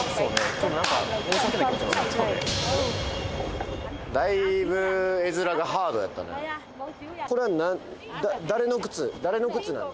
ちょっとなんか申し訳ない気持ちなるねだいぶ画面がハードやったね誰の靴なん？